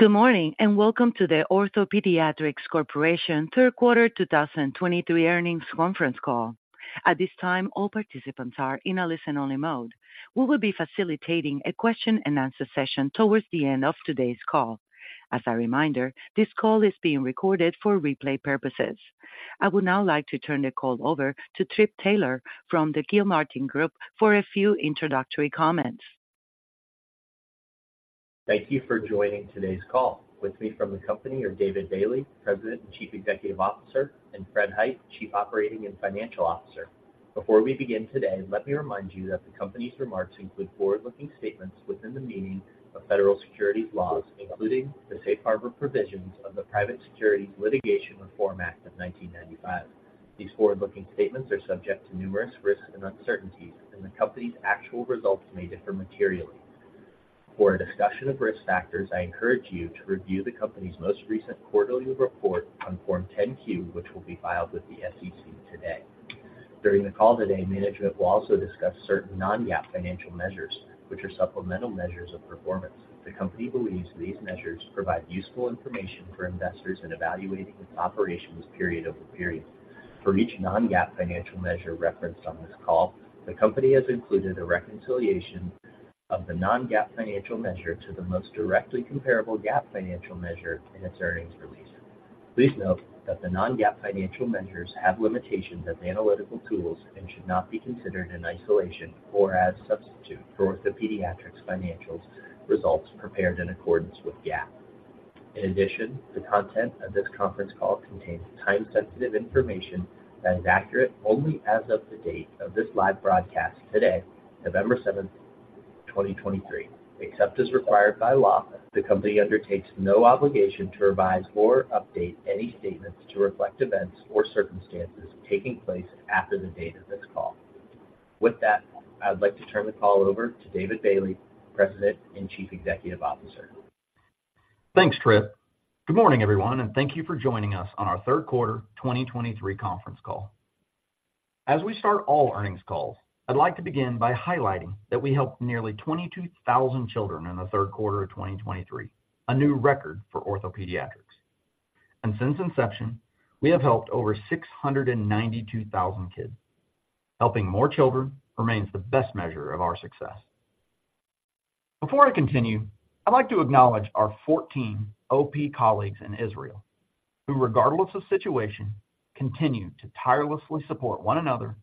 Good morning, and welcome to the OrthoPediatrics Corp. third quarter 2023 earnings conference call. At this time, all participants are in a listen-only mode. We will be facilitating a question-and-answer session towards the end of today's call. As a reminder, this call is being recorded for replay purposes. I would now like to turn the call over to Trip Taylor from the Gilmartin Group for a few introductory comments. Thank you for joining today's call. With me from the company are David Bailey, President and Chief Executive Officer, and Fred Hite, Chief Operating and Financial Officer. Before we begin today, let me remind you that the company's remarks include forward-looking statements within the meaning of federal securities laws, including the Safe Harbor Provisions of the Private Securities Litigation Reform Act of 1995. These forward-looking statements are subject to numerous risks and uncertainties, and the company's actual results may differ materially. For a discussion of risk factors, I encourage you to review the company's most recent quarterly report on Form 10-Q, which will be filed with the SEC today. During the call today, management will also discuss certain non-GAAP financial measures, which are supplemental measures of performance. The company believes these measures provide useful information for investors in evaluating its operations period over period. For each non-GAAP financial measure referenced on this call, the company has included a reconciliation of the non-GAAP financial measure to the most directly comparable GAAP financial measure in its earnings release. Please note that the non-GAAP financial measures have limitations as analytical tools and should not be considered in isolation or as substitute for OrthoPediatrics' financial results prepared in accordance with GAAP. In addition, the content of this conference call contains time-sensitive information that is accurate only as of the date of this live broadcast today, November 7, 2023. Except as required by law, the company undertakes no obligation to revise or update any statements to reflect events or circumstances taking place after the date of this call. With that, I would like to turn the call over to David Bailey, President and Chief Executive Officer. Thanks, Trip. Good morning, everyone, and thank you for joining us on our third quarter 2023 conference call. As we start all earnings calls, I'd like to begin by highlighting that we helped nearly 22,000 children in the third quarter of 2023, a new record for OrthoPediatrics. And since inception, we have helped over 692,000 kids. Helping more children remains the best measure of our success. Before I continue, I'd like to acknowledge our 14 OP colleagues in Israel, who, regardless of situation, continue to tirelessly support one another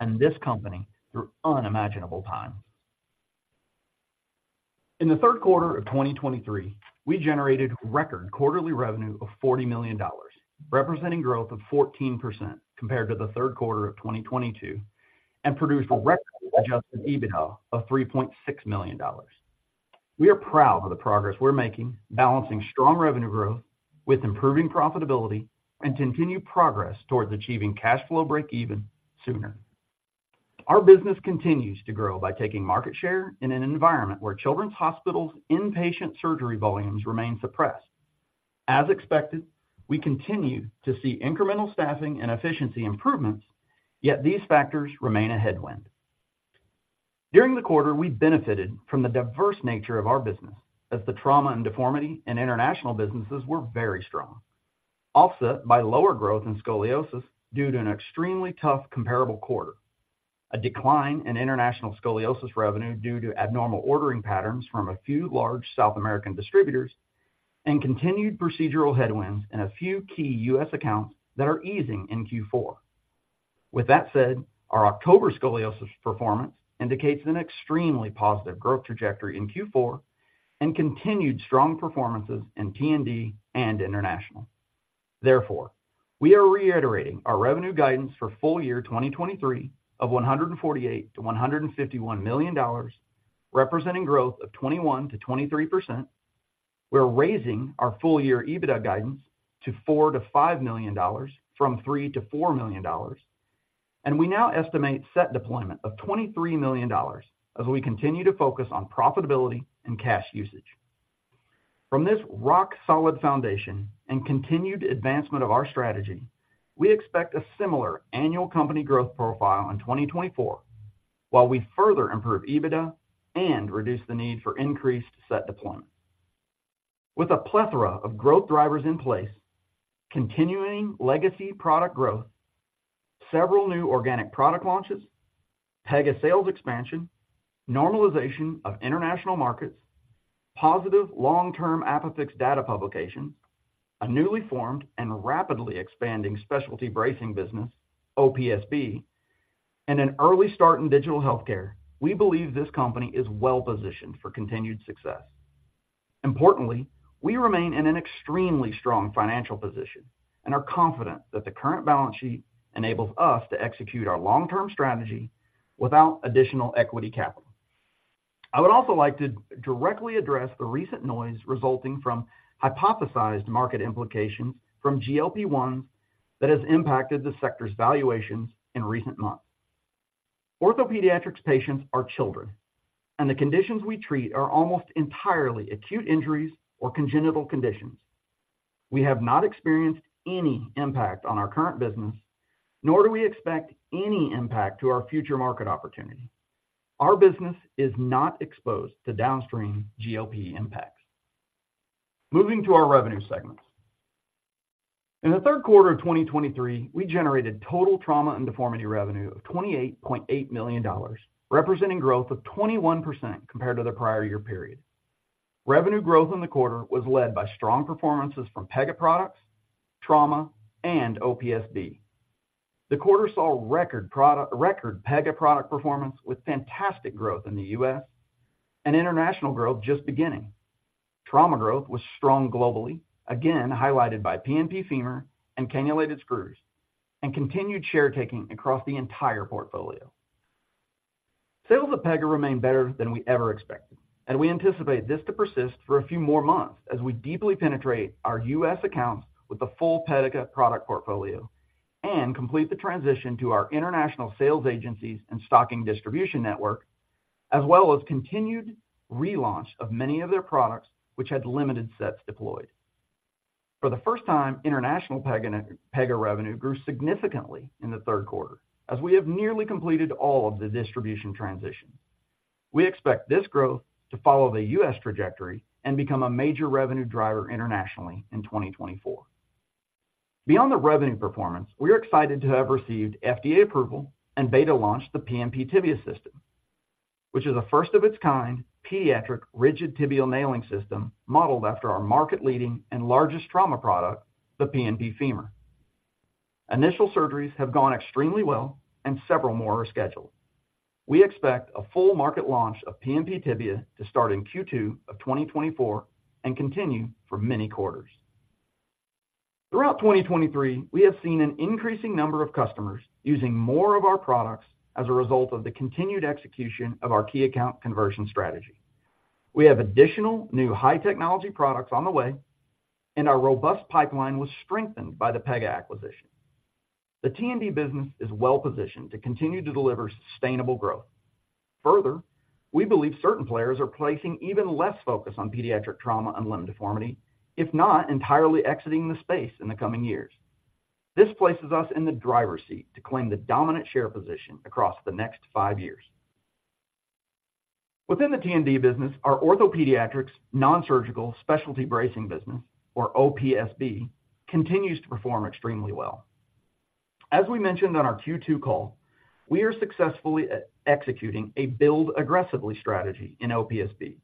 and this company through unimaginable times. In the third quarter of 2023, we generated record quarterly revenue of $40 million, representing growth of 14% compared to the third quarter of 2022, and produced a record Adjusted EBITDA of $3.6 million. We are proud of the progress we're making, balancing strong revenue growth with improving profitability and continued progress towards achieving cash flow break-even sooner. Our business continues to grow by taking market share in an environment where children's hospitals' inpatient surgery volumes remain suppressed. As expected, we continue to see incremental staffing and efficiency improvements, yet these factors remain a headwind. During the quarter, we benefited from the diverse nature of our business, as the Trauma and Deformity and international businesses were very strong, offset by lower growth in Scoliosis due to an extremely tough comparable quarter, a decline in international Scoliosis revenue due to abnormal ordering patterns from a few large South American distributors, and continued procedural headwinds in a few key U.S. accounts that are easing in Q4. With that said, our October scoliosis performance indicates an extremely positive growth trajectory in Q4 and continued strong performances in T&D and international. Therefore, we are reiterating our revenue guidance for full year 2023 of $148 million-$151 million, representing growth of 21%-23%. We're raising our full-year EBITDA guidance to $4 million-$5 million from $3 million-$4 million, and we now estimate set deployment of $23 million as we continue to focus on profitability and cash usage. From this rock-solid foundation and continued advancement of our strategy, we expect a similar annual company growth profile in 2024, while we further improve EBITDA and reduce the need for increased set deployment. With a plethora of growth drivers in place, continuing legacy product growth, several new organic product launches, Pega sales expansion, normalization of international markets, positive long-term ApiFix data publication, a newly formed and rapidly expanding specialty bracing business, OPSB, and an early start in digital healthcare, we believe this company is well-positioned for continued success. Importantly, we remain in an extremely strong financial position and are confident that the current balance sheet enables us to execute our long-term strategy without additional equity capital. I would also like to directly address the recent noise resulting from hypothesized market implications from GLP-1 that has impacted the sector's valuations in recent months. Orthopedic patients are children, and the conditions we treat are almost entirely acute injuries or congenital conditions... We have not experienced any impact on our current business, nor do we expect any impact to our future market opportunity. Our business is not exposed to downstream GLP-1 impacts. Moving to our revenue segments. In the third quarter of 2023, we generated total Trauma and Deformity revenue of $28.8 million, representing growth of 21% compared to the prior year period. Revenue growth in the quarter was led by strong performances from Pega products, Trauma, and OPSB. The quarter saw record Pega product performance with fantastic growth in the U.S. and international growth just beginning. Trauma growth was strong globally, again, highlighted by PNP Femur and cannulated screws, and continued share taking across the entire portfolio. Sales of Pega remain better than we ever expected, and we anticipate this to persist for a few more months as we deeply penetrate our U.S. accounts with the full Pega product portfolio, and complete the transition to our international sales agencies and stocking distribution network, as well as continued relaunch of many of their products, which had limited sets deployed. For the first time, international Pega, Pega revenue grew significantly in the third quarter, as we have nearly completed all of the distribution transition. We expect this growth to follow the U.S. trajectory and become a major revenue driver internationally in 2024. Beyond the revenue performance, we are excited to have received FDA approval and beta launched the PNP Tibia system, which is a first of its kind, pediatric rigid tibial nailing system, modeled after our market leading and largest trauma product, the PNP Femur. Initial surgeries have gone extremely well, and several more are scheduled. We expect a full market launch of PNP Tibia to start in Q2 of 2024 and continue for many quarters. Throughout 2023, we have seen an increasing number of customers using more of our products as a result of the continued execution of our key account conversion strategy. We have additional new high technology products on the way, and our robust pipeline was strengthened by the Pega acquisition. The T&D business is well positioned to continue to deliver sustainable growth. Further, we believe certain players are placing even less focus on pediatric trauma and limb deformity, if not entirely exiting the space in the coming years. This places us in the driver's seat to claim the dominant share position across the next five years. Within the T&D business, our OrthoPediatrics nonsurgical specialty bracing business, or OPSB, continues to perform extremely well. As we mentioned on our Q2 call, we are successfully executing a build aggressively strategy in OPSB,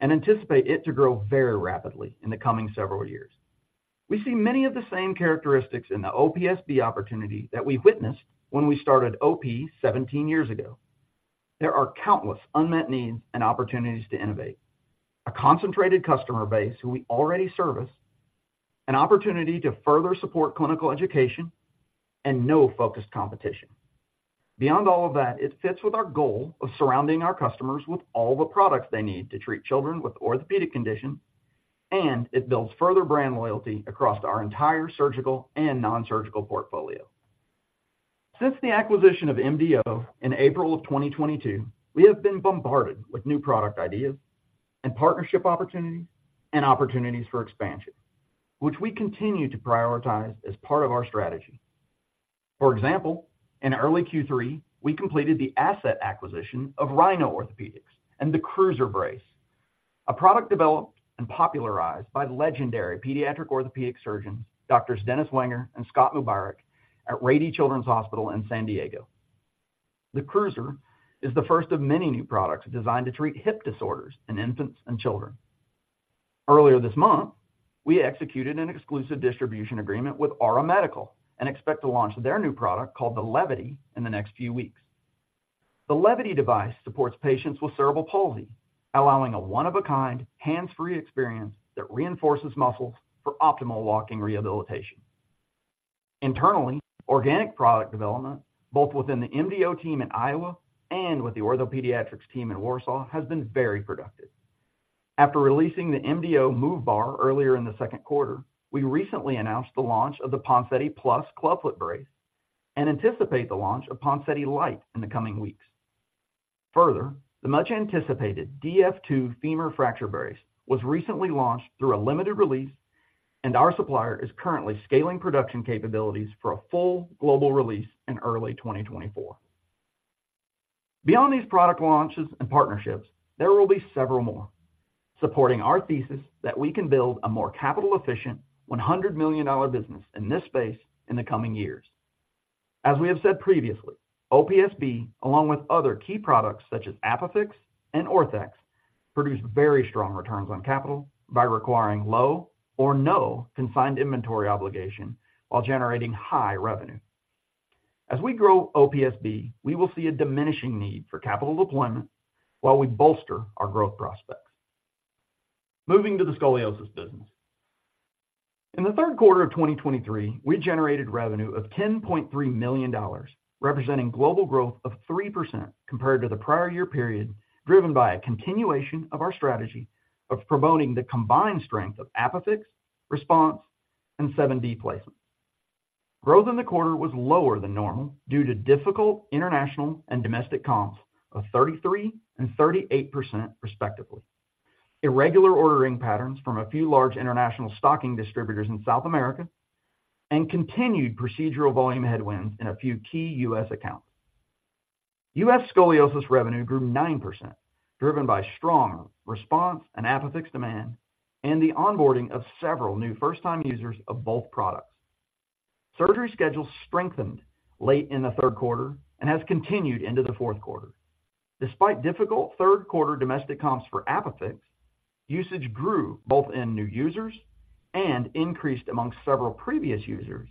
and anticipate it to grow very rapidly in the coming several years. We see many of the same characteristics in the OPSB opportunity that we witnessed when we started OP 17 years ago. There are countless unmet needs and opportunities to innovate, a concentrated customer base who we already service, an opportunity to further support clinical education, and no focused competition. Beyond all of that, it fits with our goal of surrounding our customers with all the products they need to treat children with orthopedic conditions, and it builds further brand loyalty across our entire surgical and nonsurgical portfolio. Since the acquisition of MD Orthopaedics in April 2022, we have been bombarded with new product ideas and partnership opportunities, and opportunities for expansion, which we continue to prioritize as part of our strategy. For example, in early Q3, we completed the asset acquisition of Rhino Pediatric Orthopedic Designs and the Cruiser brace, a product developed and popularized by the legendary pediatric orthopedic surgeons, Doctors Dennis Wenger and Scott Mubarak, at Rady Children's Hospital in San Diego. The Cruiser is the first of many new products designed to treat hip disorders in infants and children. Earlier this month, we executed an exclusive distribution agreement with Ora Medical and expect to launch their new product, called the Levity, in the next few weeks. The Levity device supports patients with cerebral palsy, allowing a one-of-a-kind, hands-free experience that reinforces muscles for optimal walking rehabilitation. Internally, organic product development, both within the MDO team in Iowa and with the OrthoPediatrics team in Warsaw, has been very productive. After releasing the MDO MoveBar earlier in the second quarter, we recently announced the launch of the Ponseti Plus clubfoot brace and anticipate the launch of Ponseti Light in the coming weeks. Further, the much-anticipated DF2 femur fracture brace was recently launched through a limited release, and our supplier is currently scaling production capabilities for a full global release in early 2024. Beyond these product launches and partnerships, there will be several more, supporting our thesis that we can build a more capital-efficient, $100 million business in this space in the coming years. As we have said previously, OPSB, along with other key products such as ApiFix and Orthex, produce very strong returns on capital by requiring low or no confined inventory obligation while generating high revenue. As we grow OPSB, we will see a diminishing need for capital deployment while we bolster our growth prospects. Moving to the scoliosis business. In the third quarter of 2023, we generated revenue of $10.3 million, representing global growth of 3% compared to the prior year period, driven by a continuation of our strategy of promoting the combined strength of ApiFix, Response, and 7D Placement.... Growth in the quarter was lower than normal due to difficult international and domestic comps of 33% and 38% respectively, irregular ordering patterns from a few large international stocking distributors in South America, and continued procedural volume headwinds in a few key US accounts. U.S. scoliosis revenue grew 9%, driven by strong RESPONSE and ApiFix demand, and the onboarding of several new first-time users of both products. Surgery schedules strengthened late in the third quarter and has continued into the fourth quarter. Despite difficult third quarter domestic comps for ApiFix, usage grew both in new users and increased amongst several previous users,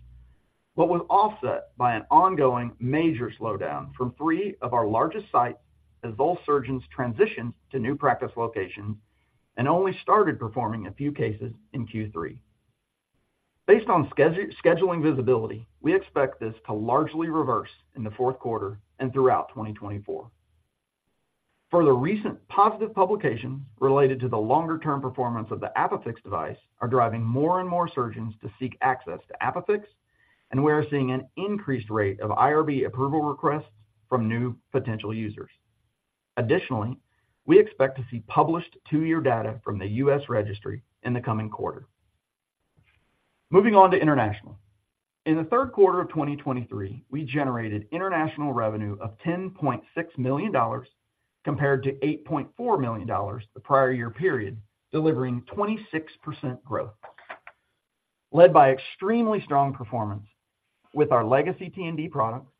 but was offset by an ongoing major slowdown from three of our largest sites as those surgeons transitioned to new practice locations and only started performing a few cases in Q3. Based on scheduling visibility, we expect this to largely reverse in the fourth quarter and throughout 2024. Further recent positive publications related to the longer-term performance of the ApiFix device are driving more and more surgeons to seek access to ApiFix, and we are seeing an increased rate of IRB approval requests from new potential users. Additionally, we expect to see published two-year data from the U.S. registry in the coming quarter. Moving on to international. In the third quarter of 2023, we generated international revenue of $10.6 million, compared to $8.4 million the prior year period, delivering 26% growth, led by extremely strong performance with our legacy T&D products,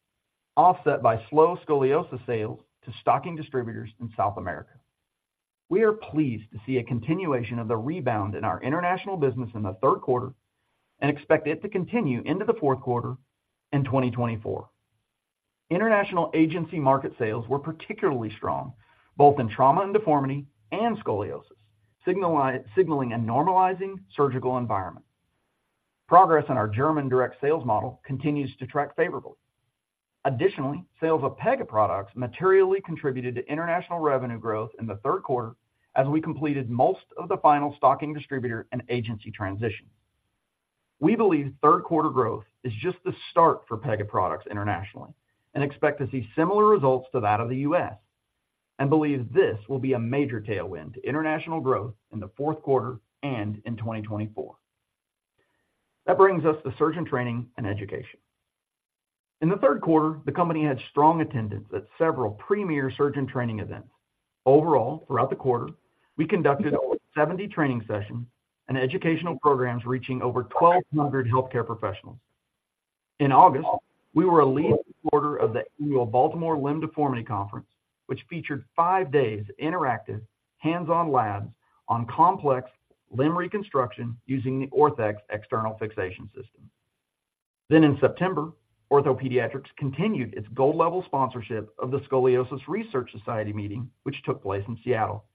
offset by slow scoliosis sales to stocking distributors in South America. We are pleased to see a continuation of the rebound in our international business in the third quarter and expect it to continue into the fourth quarter in 2024. International agency market sales were particularly strong, both in trauma and deformity and scoliosis, signaling a normalizing surgical environment. Progress on our German direct sales model continues to track favorably. Additionally, sales of Pega products materially contributed to international revenue growth in the third quarter, as we completed most of the final stocking distributor and agency transition. We believe third quarter growth is just the start for Pega products internationally, and expect to see similar results to that of the U.S., and believe this will be a major tailwind to international growth in the fourth quarter and in 2024. That brings us to surgeon training and education. In the third quarter, the company had strong attendance at several premier surgeon training events. Overall, throughout the quarter, we conducted over 70 training sessions and educational programs reaching over 1,200 healthcare professionals. In August, we were a lead supporter of the annual Baltimore Limb Deformity Course, which featured five days of interactive, hands-on labs on complex limb reconstruction using the Orthex external fixation system. Then in September, OrthoPediatrics continued its gold-level sponsorship of the Scoliosis Research Society meeting, which took place in Seattle.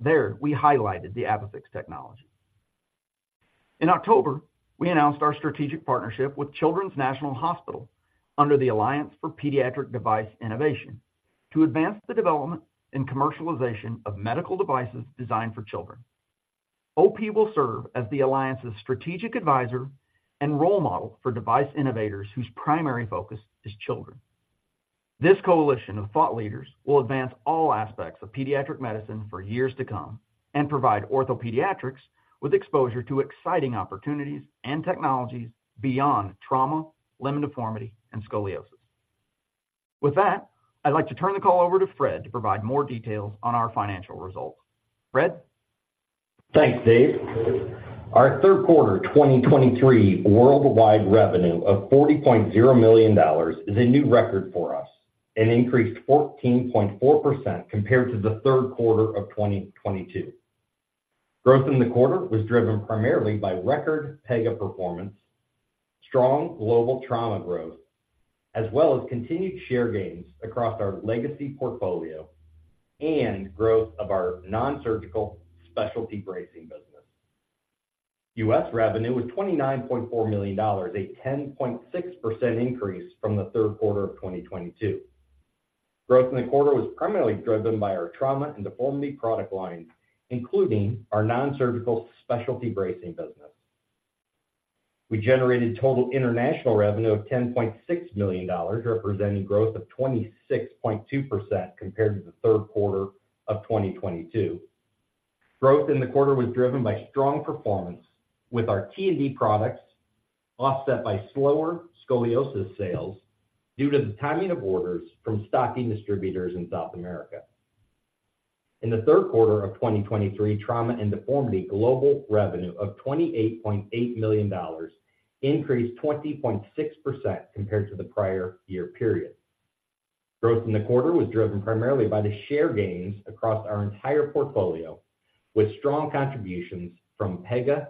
There, we highlighted the ApiFix technology. In October, we announced our strategic partnership with Children's National Hospital under the Alliance for Pediatric Device Innovation to advance the development and commercialization of medical devices designed for children. OP will serve as the alliance's strategic advisor and role model for device innovators whose primary focus is children. This coalition of thought leaders will advance all aspects of pediatric medicine for years to come and provide OrthoPediatrics with exposure to exciting opportunities and technologies beyond trauma, limb deformity, and scoliosis. With that, I'd like to turn the call over to Fred to provide more details on our financial results. Fred? Thanks, Dave. Our third quarter 2023 worldwide revenue of $40.0 million is a new record for us and increased 14.4% compared to the third quarter of 2022. Growth in the quarter was driven primarily by record Pega performance, strong global trauma growth, as well as continued share gains across our legacy portfolio and growth of our nonsurgical specialty bracing business. U.S. revenue was $29.4 million, a 10.6% increase from the third quarter of 2022. Growth in the quarter was primarily driven by our trauma and deformity product lines, including our nonsurgical specialty bracing business. We generated total international revenue of $10.6 million, representing growth of 26.2% compared to the third quarter of 2022. Growth in the quarter was driven by strong performance with our T&D products, offset by slower scoliosis sales due to the timing of orders from stocking distributors in South America. In the third quarter of 2023, trauma and deformity global revenue of $28.8 million increased 20.6% compared to the prior year period. Growth in the quarter was driven primarily by the share gains across our entire portfolio, with strong contributions from Pega,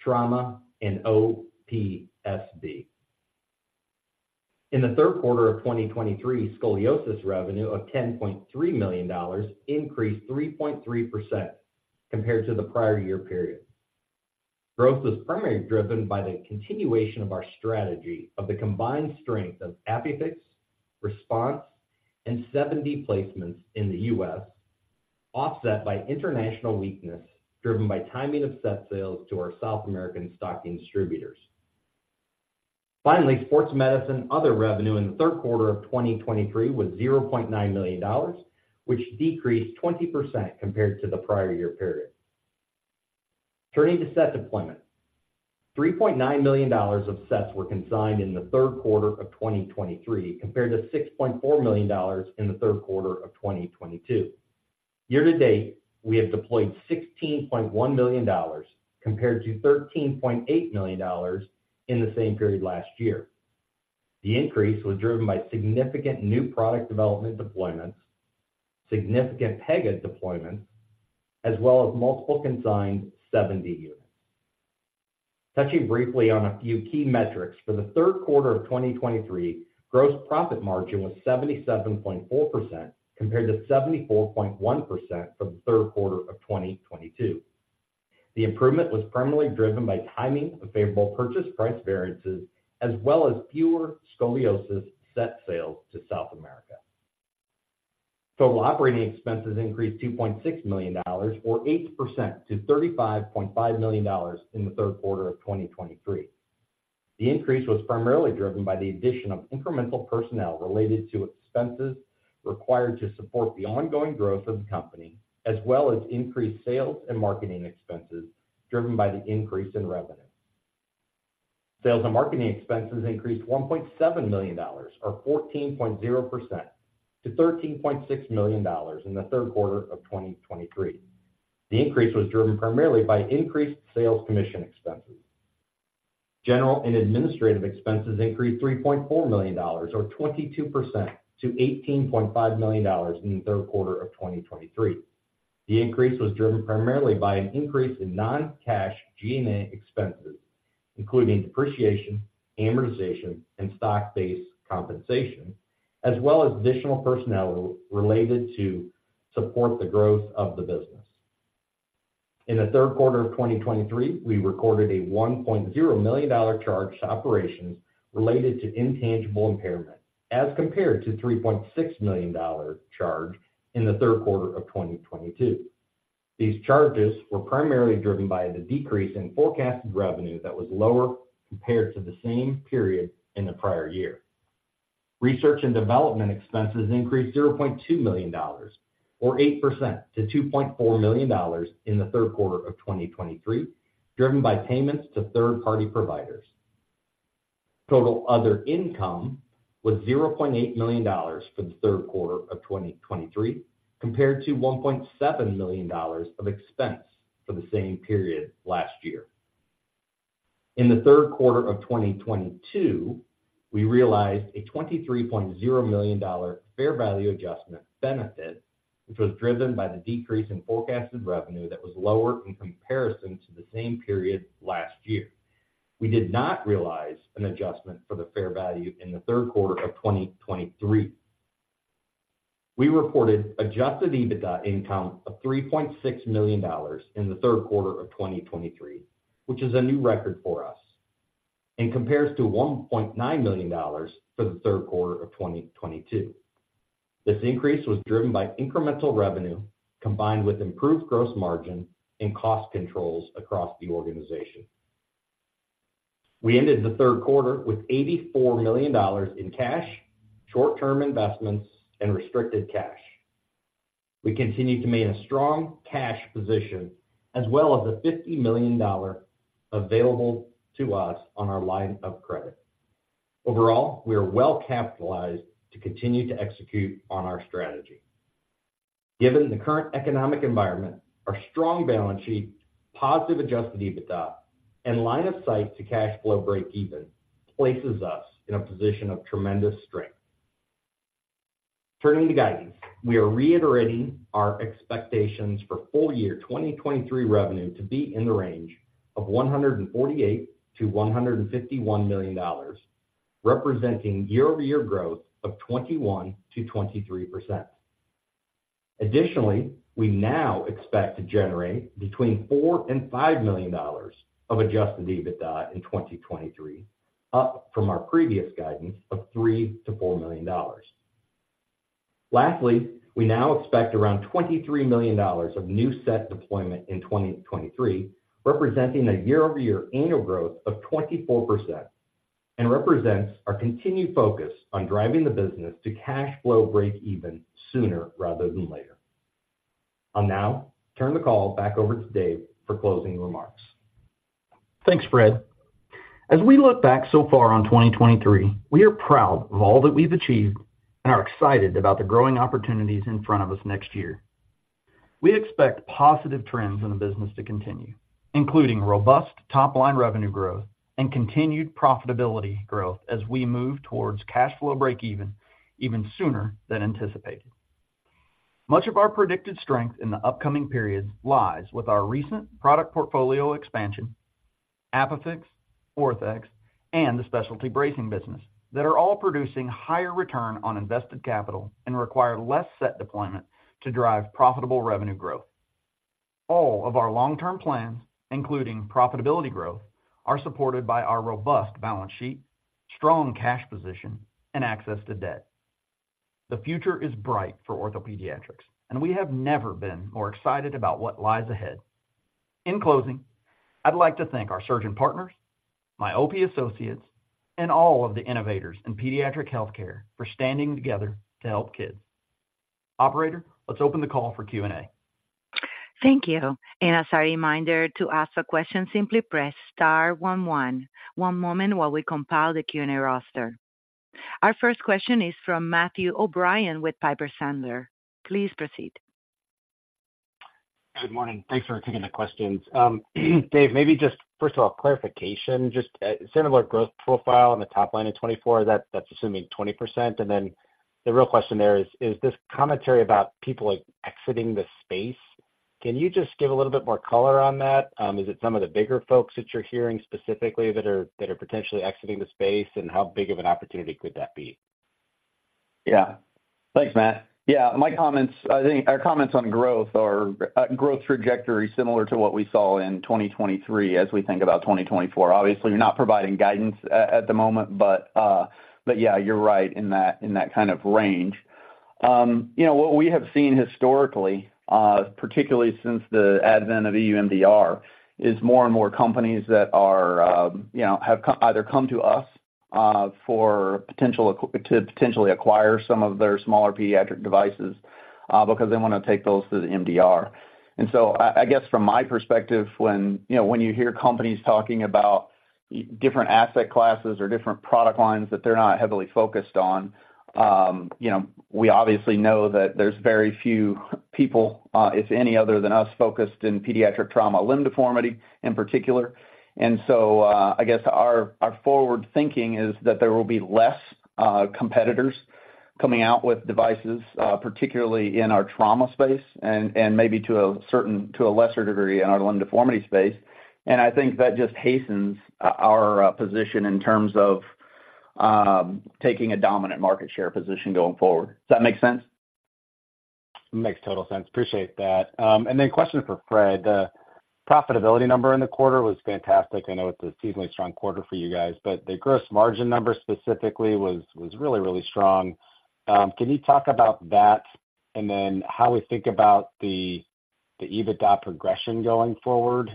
trauma, and OPSB. In the third quarter of 2023, scoliosis revenue of $10.3 million increased 3.3% compared to the prior year period. Growth was primarily driven by the continuation of our strategy of the combined strength of ApiFix, RESPONSE, and 7D placements in the U.S., offset by international weakness, driven by timing of set sales to our South American stocking distributors. Finally, Sports Medicine other revenue in the third quarter of 2023 was $0.9 million, which decreased 20% compared to the prior year period. Turning to set deployment, $3.9 million of sets were consigned in the third quarter of 2023, compared to $6.4 million in the third quarter of 2022. Year to date, we have deployed $16.1 million compared to $13.8 million in the same period last year. The increase was driven by significant new product development deployments, significant Pega deployments, as well as multiple consigned 7D units. Touching briefly on a few key metrics, for the third quarter of 2023, gross profit margin was 77.4%, compared to 74.1% for the third quarter of 2022. The improvement was primarily driven by timing of favorable purchase price variances, as well as fewer scoliosis set sales to South America. Total operating expenses increased $2.6 million, or 8% to $35.5 million in the third quarter of 2023. The increase was primarily driven by the addition of incremental personnel related to expenses required to support the ongoing growth of the company, as well as increased sales and marketing expenses driven by the increase in revenue. Sales and marketing expenses increased $1.7 million, or 14.0% to $13.6 million in the third quarter of 2023. The increase was driven primarily by increased sales commission expenses. General and administrative expenses increased $3.4 million, or 22% to $18.5 million in the third quarter of 2023. The increase was driven primarily by an increase in non-cash G&A expenses, including depreciation, amortization, and stock-based compensation, as well as additional personnel related to support the growth of the business. In the third quarter of 2023, we recorded a $1.0 million charge to operations related to intangible impairment, as compared to $3.6 million charge in the third quarter of 2022. These charges were primarily driven by the decrease in forecasted revenue that was lower compared to the same period in the prior year. Research and development expenses increased $0.2 million, or 8% to $2.4 million in the third quarter of 2023, driven by payments to third-party providers. Total other income was $0.8 million for the third quarter of 2023, compared to $1.7 million of expense for the same period last year. In the third quarter of 2022, we realized a $23.0 million fair value adjustment benefit, which was driven by the decrease in forecasted revenue that was lower in comparison to the same period last year. We did not realize an adjustment for the fair value in the third quarter of 2023. We reported Adjusted EBITDA income of $3.6 million in the third quarter of 2023, which is a new record for us and compares to $1.9 million for the third quarter of 2022. This increase was driven by incremental revenue, combined with improved gross margin and cost controls across the organization. We ended the third quarter with $84 million in cash, short-term investments, and restricted cash. We continue to maintain a strong cash position, as well as the $50 million available to us on our line of credit. Overall, we are well capitalized to continue to execute on our strategy. Given the current economic environment, our strong balance sheet, positive Adjusted EBITDA, and line of sight to cash flow breakeven, places us in a position of tremendous strength. Turning to guidance, we are reiterating our expectations for full year 2023 revenue to be in the range of $148 million-$151 million, representing year-over-year growth of 21%-23%. Additionally, we now expect to generate between $4 million-$5 million of Adjusted EBITDA in 2023, up from our previous guidance of $3 million-$4 million. Lastly, we now expect around $23 million of new set deployment in 2023, representing a year-over-year annual growth of 24%, and represents our continued focus on driving the business to cash flow breakeven sooner rather than later. I'll now turn the call back over to Dave for closing remarks. Thanks, Fred. As we look back so far on 2023, we are proud of all that we've achieved and are excited about the growing opportunities in front of us next year. We expect positive trends in the business to continue, including robust top-line revenue growth and continued profitability growth as we move towards cash flow breakeven even sooner than anticipated. Much of our predicted strength in the upcoming periods lies with our recent product portfolio expansion, ApiFix, Orthex, and the specialty bracing business, that are all producing higher return on invested capital and require less set deployment to drive profitable revenue growth.... All of our long-term plans, including profitability growth, are supported by our robust balance sheet, strong cash position, and access to debt. The future is bright for OrthoPediatrics, and we have never been more excited about what lies ahead. In closing, I'd like to thank our surgeon partners, my OP associates, and all of the innovators in pediatric health care for standing together to help kids. Operator, let's open the call for Q&A. Thank you. As a reminder, to ask a question, simply press star one, one. One moment while we compile the Q&A roster. Our first question is from Matthew O'Brien with Piper Sandler. Please proceed. Good morning. Thanks for taking the questions. Dave, maybe just first of all, clarification, just, similar growth profile on the top line in 2024, that's assuming 20%. And then the real question there is, is this commentary about people, like, exiting the space? Can you just give a little bit more color on that? Is it some of the bigger folks that you're hearing specifically, that are potentially exiting the space? And how big of an opportunity could that be? Yeah. Thanks, Matt. Yeah, my comments. I think our comments on growth or growth trajectory, similar to what we saw in 2023 as we think about 2024. Obviously, we're not providing guidance at the moment, but yeah, you're right in that kind of range. You know, what we have seen historically, particularly since the advent of EU MDR, is more and more companies that are, you know, have either come to us for potential to potentially acquire some of their smaller pediatric devices, because they want to take those to the MDR. And so I guess from my perspective, when, you know, when you hear companies talking about different asset classes or different product lines that they're not heavily focused on, you know, we obviously know that there's very few people, if any, other than us, focused in pediatric trauma, limb deformity in particular. And so, I guess our, our forward thinking is that there will be less, competitors coming out with devices, particularly in our trauma space and, and maybe to a certain-- to a lesser degree, in our limb deformity space. And I think that just hastens our position in terms of, taking a dominant market share position going forward. Does that make sense? Makes total sense. Appreciate that. And then question for Fred. The profitability number in the quarter was fantastic. I know it's a seasonally strong quarter for you guys, but the gross margin number specifically was really, really strong. Can you talk about that? And then how we think about the EBITDA progression going forward?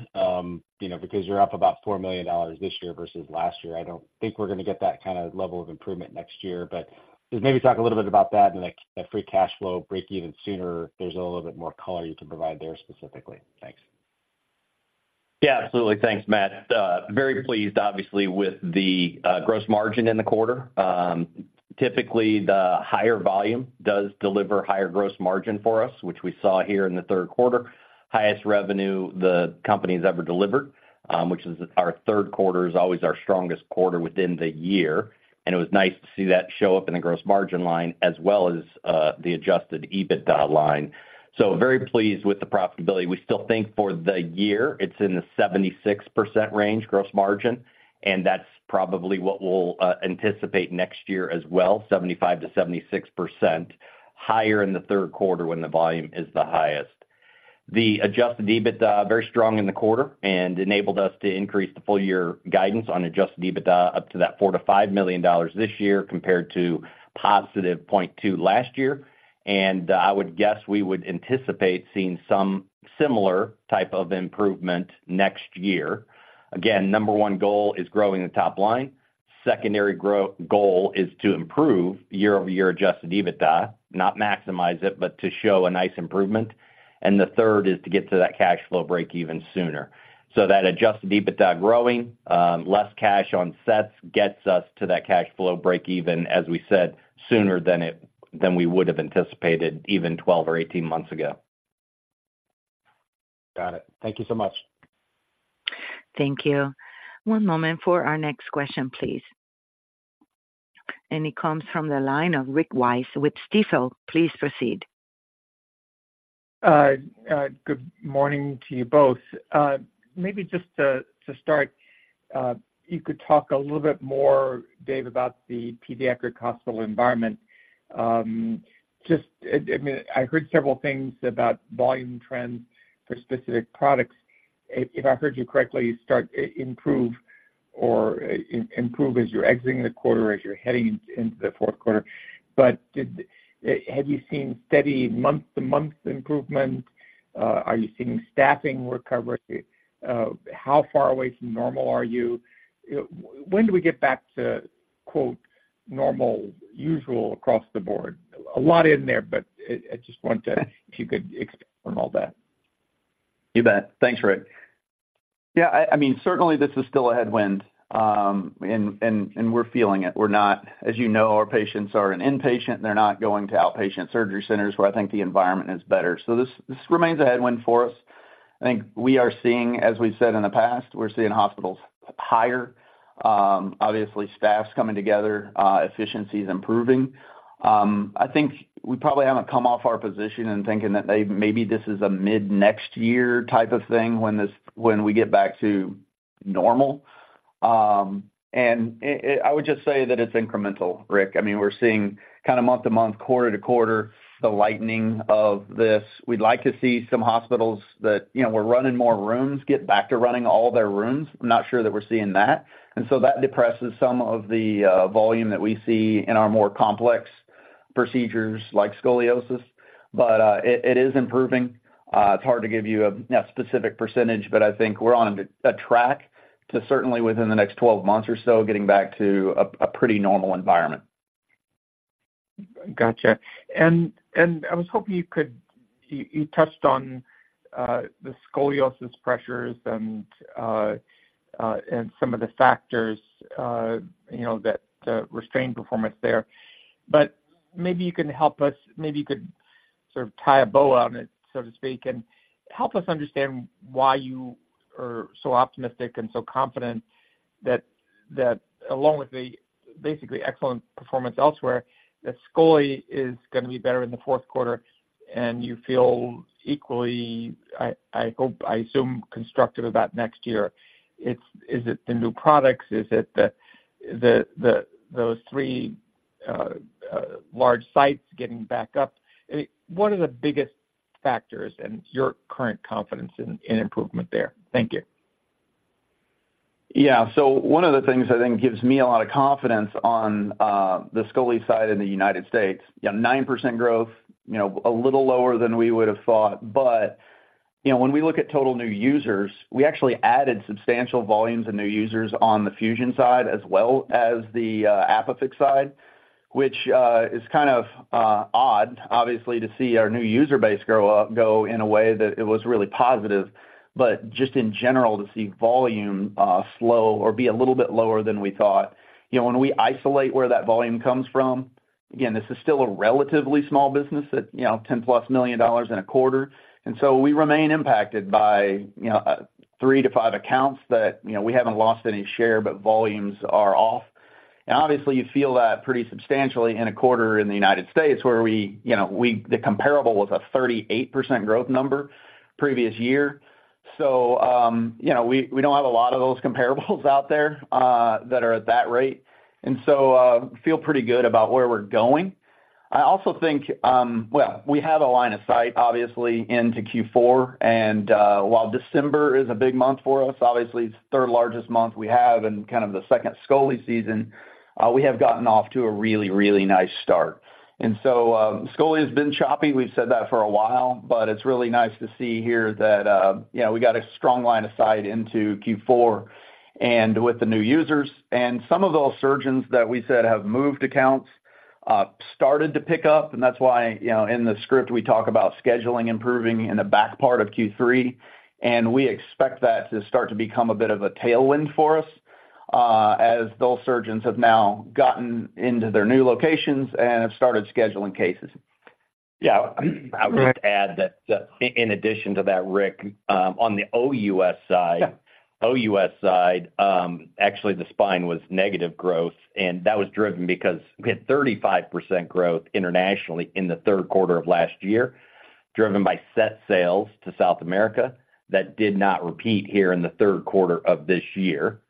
You know, because you're up about $4 million this year versus last year. I don't think we're going to get that kind of level of improvement next year. But just maybe talk a little bit about that and that free cash flow breakeven sooner, if there's a little bit more color you can provide there specifically. Thanks. Yeah, absolutely. Thanks, Matt. Very pleased, obviously, with the gross margin in the quarter. Typically, the higher volume does deliver higher gross margin for us, which we saw here in the third quarter. Highest revenue the company's ever delivered, which is our third quarter is always our strongest quarter within the year, and it was nice to see that show up in the gross margin line as well as the Adjusted EBITDA line. So very pleased with the profitability. We still think for the year it's in the 76% range, gross margin, and that's probably what we'll anticipate next year as well, 75%-76%, higher in the third quarter when the volume is the highest. The Adjusted EBITDA, very strong in the quarter and enabled us to increase the full year guidance on Adjusted EBITDA up to that $4-$5 million this year, compared to positive $0.2 last year. And, I would guess we would anticipate seeing some similar type of improvement next year. Again, number one goal is growing the top line. Secondary goal is to improve year-over-year Adjusted EBITDA, not maximize it, but to show a nice improvement. And the third is to get to that cash flow break even sooner. So that Adjusted EBITDA growing, less cash on sets, gets us to that cash flow break even, as we said, sooner than we would have anticipated, even 12 or 18 months ago. Got it. Thank you so much. Thank you. One moment for our next question, please. It comes from the line of Rick Wise with Stifel. Please proceed. Good morning to you both. Maybe just to, to start, you could talk a little bit more, Dave, about the pediatric hospital environment. Just, I, I mean, I heard several things about volume trends for specific products. If, if I heard you correctly, start improving or improving as you're exiting the quarter, as you're heading into the fourth quarter. But have you seen steady month-to-month improvement? Are you seeing staffing recover? How far away from normal are you? When do we get back to, quote, "normal, usual across the board?" A lot in there, but I, I just wanted to, if you could expand on all that. You bet. Thanks, Rick. Yeah, I mean, certainly this is still a headwind, and we're feeling it. We're not... As you know, our patients are an inpatient. They're not going to outpatient surgery centers, where I think the environment is better. So this remains a headwind for us. I think we are seeing, as we've said in the past, we're seeing hospitals hire, obviously, staffs coming together, efficiencies improving. I think we probably haven't come off our position in thinking that maybe this is a mid-next year type of thing, when we get back to normal. And it, I would just say that it's incremental, Rick. I mean, we're seeing kind of month-to-month, quarter-to-quarter, the lightening of this. We'd like to see some hospitals that, you know, were running more rooms, get back to running all their rooms. I'm not sure that we're seeing that. And so that depresses some of the volume that we see in our more complex procedures, like scoliosis. But, it is improving. It's hard to give you a specific percentage, but I think we're on a track to certainly within the next 12 months or so, getting back to a pretty normal environment. Gotcha. I was hoping you could -- you touched on the scoliosis pressures and some of the factors, you know, that restrained performance there. But maybe you can help us, maybe you could sort of tie a bow on it, so to speak, and help us understand why you are so optimistic and so confident that along with the basically excellent performance elsewhere, that scoli is going to be better in the fourth quarter, and you feel equally, I hope, I assume, constructive about next year. It's -- is it the new products? Is it the those three large sites getting back up? I mean, what are the biggest factors in your current confidence in improvement there? Thank you. Yeah. So one of the things I think gives me a lot of confidence on, the scoli side in the United States, yeah, 9% growth, you know, a little lower than we would have thought. But, you know, when we look at total new users, we actually added substantial volumes of new users on the fusion side as well as the, ApiFix side, which, is kind of, odd, obviously, to see our new user base grow go in a way that it was really positive. But just in general, to see volume, slow or be a little bit lower than we thought. You know, when we isolate where that volume comes from, again, this is still a relatively small business that, you know, $10+ million in a quarter. And so we remain impacted by, you know, 3-5 accounts that, you know, we haven't lost any share, but volumes are off. And obviously you feel that pretty substantially in a quarter in the United States, where we, you know, the comparable was a 38% growth number previous year. So you know, we don't have a lot of those comparables out there that are at that rate, and so feel pretty good about where we're going. I also think, well, we have a line of sight, obviously, into Q4, and while December is a big month for us, obviously, it's the third largest month we have and kind of the second scoli season, we have gotten off to a really, really nice start. And so scoli has been choppy. We've said that for a while, but it's really nice to see here that, you know, we got a strong line of sight into Q4 and with the new users. Some of those surgeons that we said have moved accounts, started to pick up, and that's why, you know, in the script, we talk about scheduling, improving in the back part of Q3, and we expect that to start to become a bit of a tailwind for us, as those surgeons have now gotten into their new locations and have started scheduling cases. Yeah. I would just add that, in addition to that, Rick, on the OUS side- Yeah. OUS side, actually, the spine was negative growth, and that was driven because we had 35% growth internationally in the third quarter of last year, driven by set sales to South America. That did not repeat here in the third quarter of this year.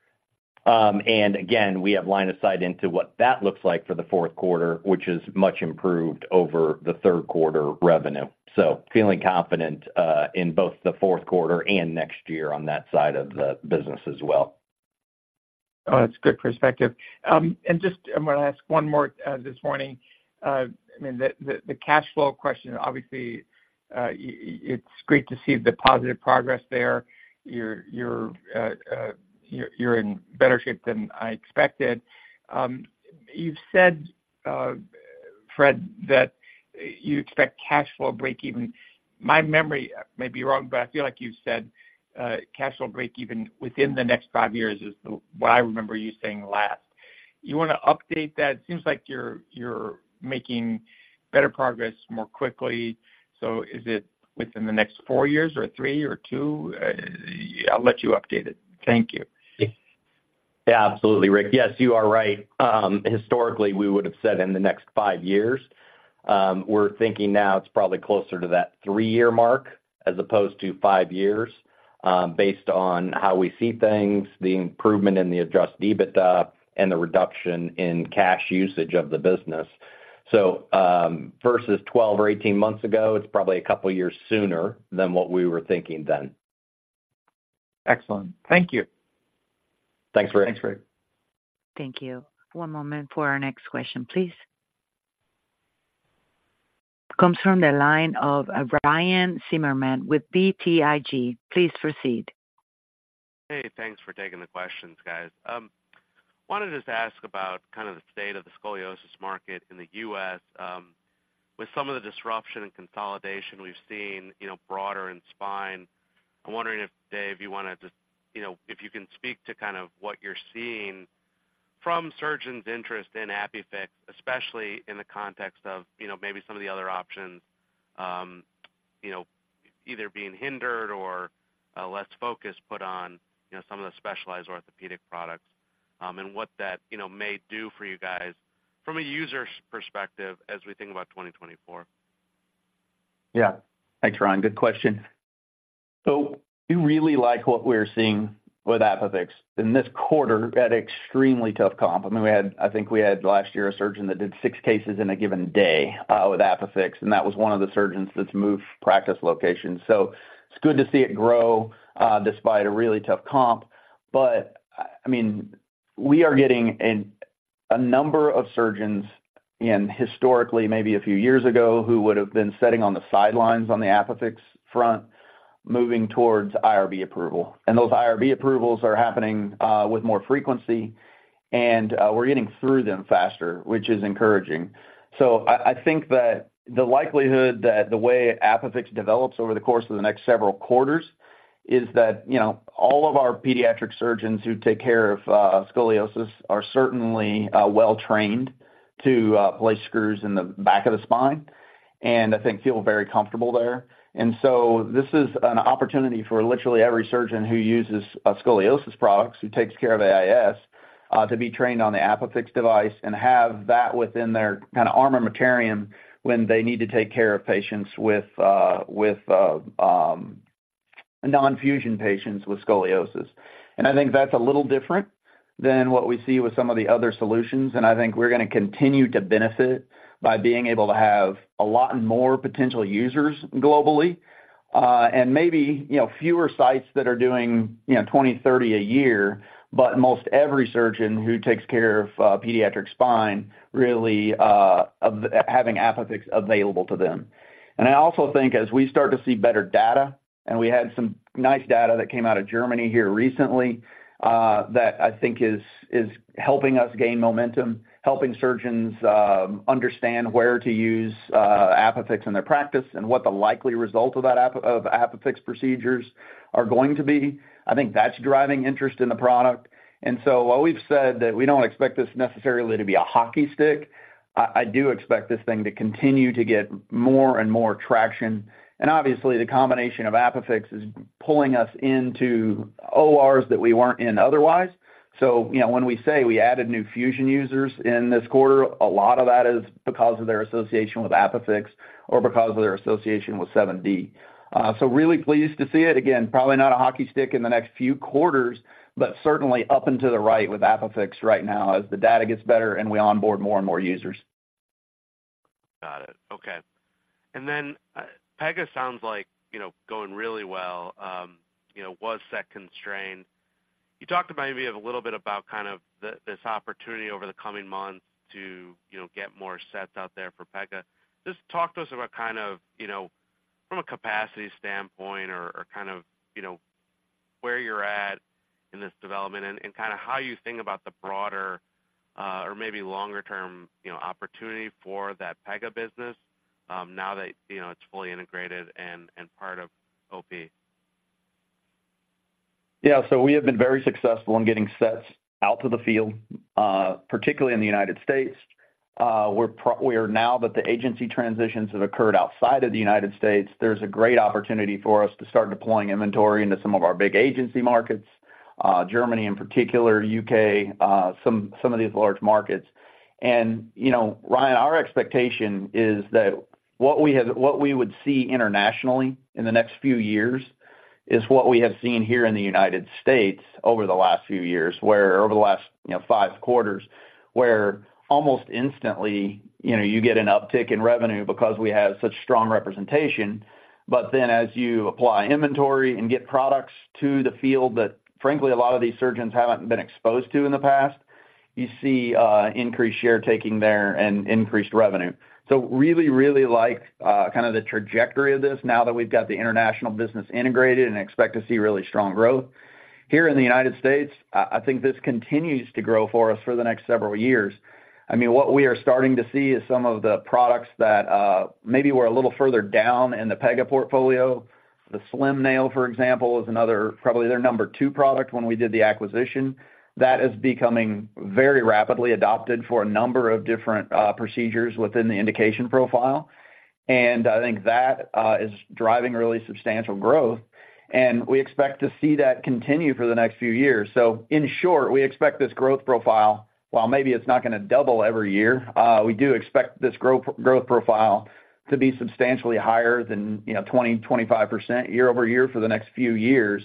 And again, we have line of sight into what that looks like for the fourth quarter, which is much improved over the third quarter revenue. So, feeling confident in both the fourth quarter and next year on that side of the business as well. Oh, that's great perspective. And just I'm going to ask one more this morning. I mean, the cash flow question, obviously, it's great to see the positive progress there. You're in better shape than I expected. You've said, Fred, that you expect cash flow breakeven. My memory may be wrong, but I feel like you've said cash flow breakeven within the next five years is the what I remember you saying last. You want to update that? It seems like you're making better progress more quickly. So is it within the next four years or three or two? I'll let you update it. Thank you. Yeah, absolutely, Rick. Yes, you are right. Historically, we would have said in the next five years. We're thinking now it's probably closer to that three-year mark as opposed to five years, based on how we see things, the improvement in the Adjusted EBITDA and the reduction in cash usage of the business. So, versus 12 or 18 months ago, it's probably a couple of years sooner than what we were thinking then. Excellent. Thank you. Thanks, Rick. Thanks, Rick. Thank you. One moment for our next question, please. Comes from the line of Ryan Zimmerman with BTIG. Please proceed. Hey, thanks for taking the questions, guys. Wanted to just ask about kind of the state of the scoliosis market in the U.S., with some of the disruption and consolidation we've seen, you know, broader in spine. I'm wondering if, Dave, you want to just, you know, if you can speak to kind of what you're seeing from surgeons' interest in ApiFix, especially in the context of, you know, maybe some of the other options, you know, either being hindered or, less focus put on, you know, some of the specialized orthopedic products, and what that, you know, may do for you guys from a user's perspective as we think about 2024?... Yeah. Thanks, Ryan. Good question. So we really like what we're seeing with ApiFix. In this quarter, we had extremely tough comp. I mean, we had-- I think we had last year, a surgeon that did six cases in a given day, with ApiFix, and that was one of the surgeons that's moved practice location. So it's good to see it grow, despite a really tough comp. But, I mean, we are getting a number of surgeons in historically, maybe a few years ago, who would have been sitting on the sidelines on the ApiFix front, moving towards IRB approval. And those IRB approvals are happening with more frequency, and we're getting through them faster, which is encouraging. So I think that the likelihood that the way ApiFix develops over the course of the next several quarters is that, you know, all of our pediatric surgeons who take care of scoliosis are certainly well trained to place screws in the back of the spine, and I think feel very comfortable there. And so this is an opportunity for literally every surgeon who uses a scoliosis products, who takes care of AIS, to be trained on the ApiFix device and have that within their kind of armamentarium when they need to take care of patients with with nonfusion patients with scoliosis. I think that's a little different than what we see with some of the other solutions, and I think we're going to continue to benefit by being able to have a lot more potential users globally, and maybe, you know, fewer sites that are doing, you know, 20, 30 a year, but most every surgeon who takes care of pediatric spine, really, having ApiFix available to them. I also think as we start to see better data, and we had some nice data that came out of Germany here recently, that I think is helping us gain momentum, helping surgeons understand where to use ApiFix in their practice and what the likely result of that ApiFix procedures are going to be. I think that's driving interest in the product. So while we've said that we don't expect this necessarily to be a hockey stick, I, I do expect this thing to continue to get more and more traction. And obviously, the combination of ApiFix is pulling us into ORs that we weren't in otherwise. So, you know, when we say we added new fusion users in this quarter, a lot of that is because of their association with ApiFix or because of their association with 7D. So really pleased to see it. Again, probably not a hockey stick in the next few quarters, but certainly up into the right with ApiFix right now as the data gets better and we onboard more and more users. Got it. Okay. And then, Pega sounds like, you know, going really well, you know, was set constrained. You talked about maybe a little bit about kind of the, this opportunity over the coming months to, you know, get more sets out there for Pega. Just talk to us about kind of, you know, from a capacity standpoint or, or kind of, you know, where you're at in this development and, and kind of how you think about the broader, or maybe longer term, you know, opportunity for that Pega business, now that, you know, it's fully integrated and, and part of OP. Yeah. So we have been very successful in getting sets out to the field, particularly in the United States. We are now that the agency transitions have occurred outside of the United States, there's a great opportunity for us to start deploying inventory into some of our big agency markets, Germany in particular, U.K., some of these large markets. And, you know, Ryan, our expectation is that what we would see internationally in the next few years is what we have seen here in the United States over the last few years, where over the last, you know, five quarters, where almost instantly, you know, you get an uptick in revenue because we have such strong representation. But then as you apply inventory and get products to the field that, frankly, a lot of these surgeons haven't been exposed to in the past, you see increased share taking there and increased revenue. So really, really like kind of the trajectory of this now that we've got the international business integrated and expect to see really strong growth. Here in the United States, I think this continues to grow for us for the next several years. I mean, what we are starting to see is some of the products that maybe were a little further down in the Pega portfolio. The SLIM Nail, for example, is another, probably their number two product when we did the acquisition. That is becoming very rapidly adopted for a number of different procedures within the indication profile. And I think that is driving really substantial growth, and we expect to see that continue for the next few years. So in short, we expect this growth profile, while maybe it's not going to double every year, we do expect this growth profile to be substantially higher than, you know, 20%-25% year-over-year for the next few years.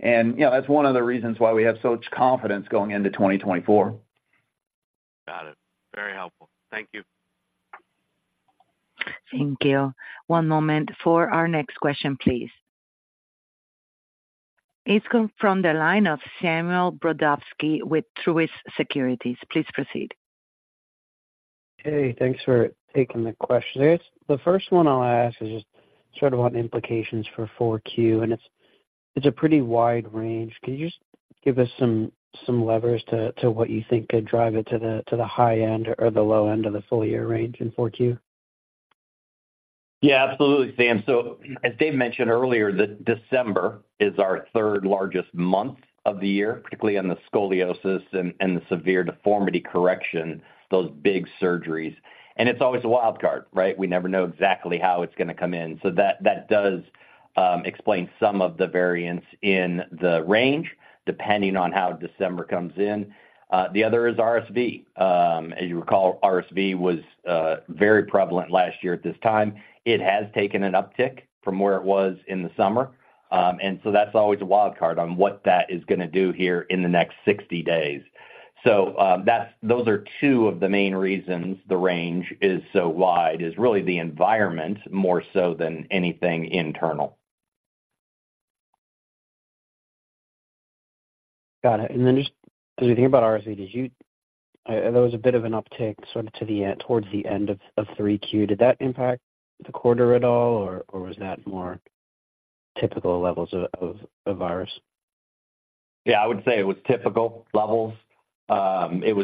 And, you know, that's one of the reasons why we have such confidence going into 2024. Got it. Very helpful. Thank you. Thank you. One moment for our next question, please. It's come from the line of Samuel Brodovsky with Truist Securities. Please proceed. Hey, thanks for taking the question. The first one I'll ask is just sort of on implications for 4Q, and it's a pretty wide range. Can you just give us some levers to what you think could drive it to the high end or the low end of the full year range in 4Q? Yeah, absolutely, Sam. So as Dave mentioned earlier, the December is our third largest month of the year, particularly on the scoliosis and, and the severe deformity correction, those big surgeries. And it's always a wild card, right? We never know exactly how it's going to come in. So that, that does- ... explain some of the variance in the range, depending on how December comes in. The other is RSV. As you recall, RSV was very prevalent last year at this time. It has taken an uptick from where it was in the summer. And so that's always a wild card on what that is gonna do here in the next 60 days. So, that's those are two of the main reasons the range is so wide, is really the environment, more so than anything internal. Got it. And then just thinking about RSV, did you—there was a bit of an uptick sorta to the end, towards the end of 3Q. Did that impact the quarter at all, or was that more typical levels of virus? Yeah, I would say it was typical levels. It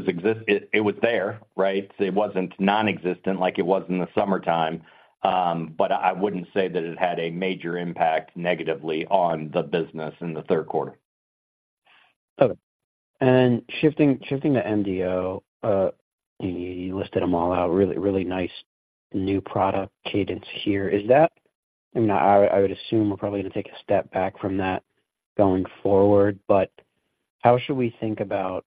was there, right? It wasn't non-existent like it was in the summertime. But I wouldn't say that it had a major impact negatively on the business in the third quarter. Okay. And shifting to MDO, you listed them all out, really, really nice new product cadence here. Is that... I mean, I would assume we're probably gonna take a step back from that going forward, but how should we think about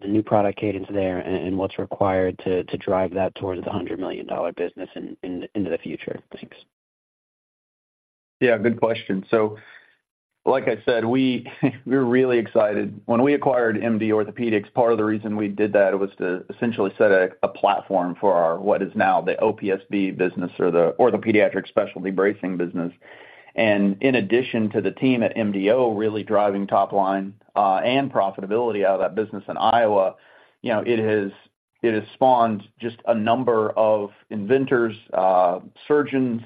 the new product cadence there and what's required to drive that towards the $100 million business in, into the future? Thanks. Yeah, good question. So, like I said, we're really excited. When we acquired MD Orthopaedics, part of the reason we did that was to essentially set a platform for our, what is now the OPSB business or the Orthopedic Specialty Bracing business. And in addition to the team at MDO, really driving top line and profitability out of that business in Iowa, you know, it has spawned just a number of inventors, surgeons,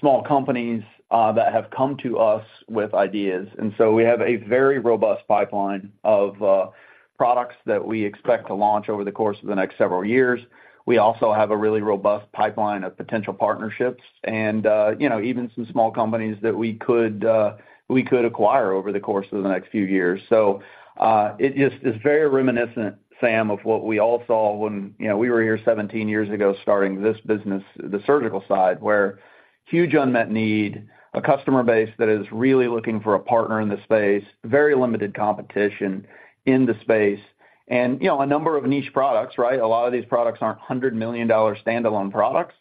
small companies that have come to us with ideas. And so we have a very robust pipeline of products that we expect to launch over the course of the next several years. We also have a really robust pipeline of potential partnerships and, you know, even some small companies that we could acquire over the course of the next few years. So, it just is very reminiscent, Sam, of what we all saw when, you know, we were here 17 years ago, starting this business, the surgical side, where huge unmet need, a customer base that is really looking for a partner in the space, very limited competition in the space, and, you know, a number of niche products, right? A lot of these products aren't $100 million standalone products,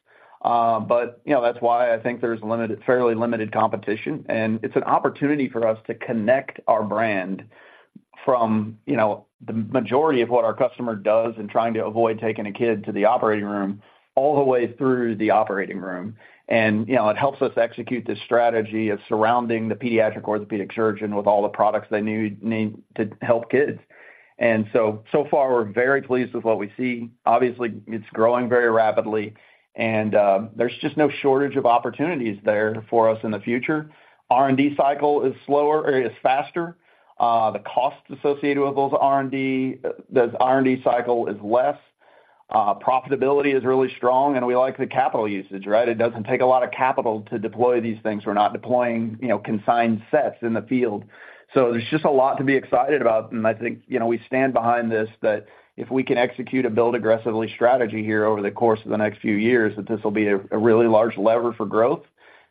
but, you know, that's why I think there's limited, fairly limited competition. And it's an opportunity for us to connect our brand from, you know, the majority of what our customer does in trying to avoid taking a kid to the operating room, all the way through the operating room. And, you know, it helps us execute this strategy of surrounding the pediatric orthopedic surgeon with all the products they need to help kids. And so, so far, we're very pleased with what we see. Obviously, it's growing very rapidly, and there's just no shortage of opportunities there for us in the future. R&D cycle is slower, or is faster. The costs associated with those R&D, the R&D cycle is less. Profitability is really strong, and we like the capital usage, right? It doesn't take a lot of capital to deploy these things. We're not deploying, you know, consigned sets in the field. So there's just a lot to be excited about, and I think, you know, we stand behind this, that if we can execute a build aggressively strategy here over the course of the next few years, that this will be a really large lever for growth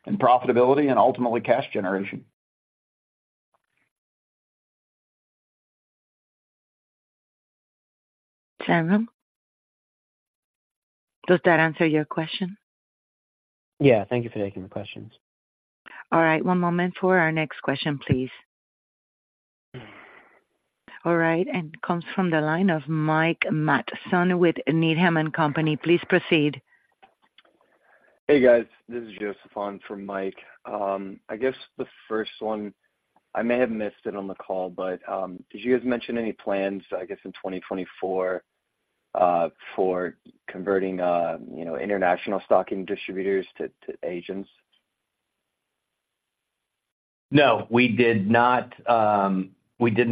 and profitability and ultimately cash generation. Samuel, does that answer your question? Yeah. Thank you for taking the questions. All right. One moment for our next question, please. All right, and comes from the line of Mike Matson with Needham & Company. Please proceed. Hey, guys. This is David Saxon for Mike Matson. I guess the first one, I may have missed it on the call, but did you guys mention any plans, I guess, in 2024 for converting, you know, international stocking distributors to agents? No, we did not, we did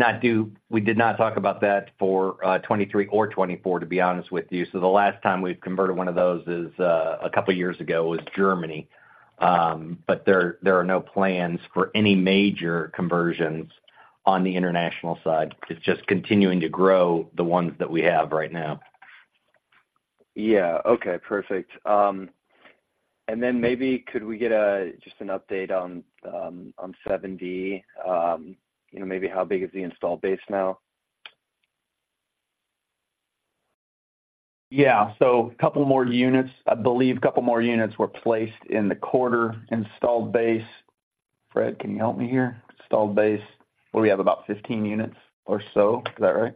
not talk about that for 2023 or 2024, to be honest with you. So the last time we've converted one of those is a couple of years ago, it was Germany. But there are no plans for any major conversions on the international side. It's just continuing to grow the ones that we have right now. Yeah. Okay, perfect. And then maybe could we get just an update on 7D? You know, maybe how big is the installed base now? Yeah. So a couple more units. I believe a couple more units were placed in the quarter. Installed base... Fred, can you help me here? Installed base, where we have about 15 units or so. Is that right?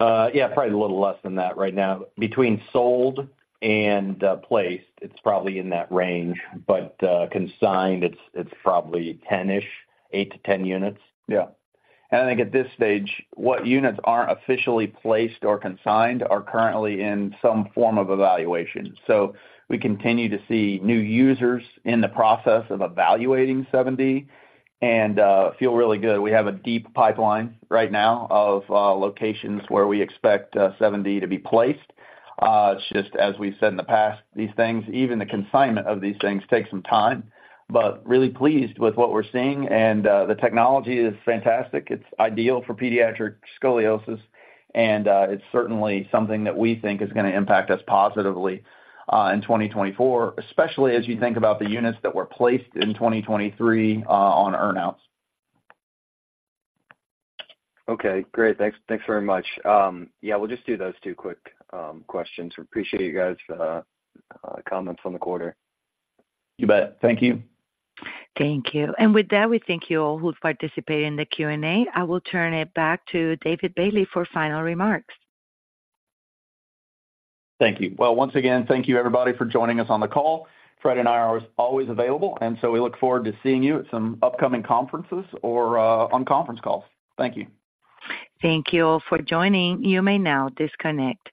Yeah, probably a little less than that right now. Between sold and placed, it's probably in that range, but consigned, it's, it's probably 10-ish, 8-10 units. Yeah. I think at this stage, what units aren't officially placed or consigned are currently in some form of evaluation. We continue to see new users in the process of evaluating 7D and feel really good. We have a deep pipeline right now of locations where we expect 7D to be placed. It's just as we've said in the past, these things, even the consignment of these things, take some time. But really pleased with what we're seeing, and the technology is fantastic. It's ideal for pediatric scoliosis, and it's certainly something that we think is gonna impact us positively in 2024, especially as you think about the units that were placed in 2023 on earnouts. Okay, great. Thanks. Thanks very much. Yeah, we'll just do those two quick questions. We appreciate you guys for the comments on the quarter. You bet. Thank you. Thank you. With that, we thank you all who participated in the Q&A. I will turn it back to David Bailey for final remarks. Thank you. Well, once again, thank you, everybody, for joining us on the call. Fred and I are always available, and so we look forward to seeing you at some upcoming conferences or on conference calls. Thank you. Thank you all for joining. You may now disconnect.